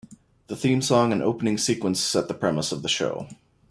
The theme song and opening sequence set the premise of the show.